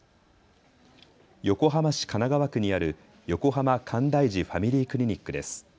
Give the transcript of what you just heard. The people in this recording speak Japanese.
横浜市神奈川区にある横浜かんだいじファミリークリニックです。